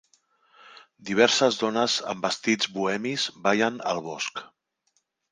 Diverses dones amb vestits bohemis ballen al bosc.